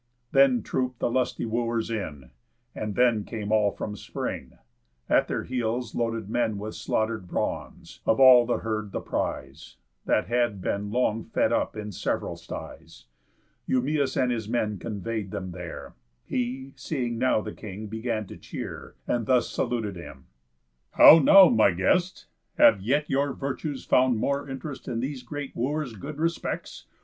Then troop'd the lusty Wooers in; and then Came all from spring; at their heels loaded men With slaughter'd brawns, of all the herd the prize, That had been long fed up in sev'ral styes; Eumæus and his men convey'd them there, He, seeing now the king, began to cheer, And thus saluted him: "How now, my guest? Have yet your virtues found more interest In these great Wooers' good respects?